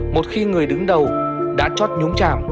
một khi người đứng đầu đã chót nhúng chạm